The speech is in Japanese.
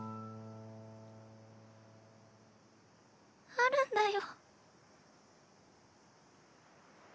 あるんだよ。